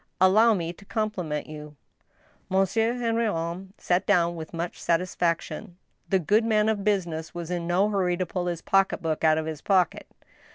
" Allow me to compliment you." Monsieur Henrion sat down with much satisfaction. The good man of business was in no hurry to pull his pocket book out of his pocket.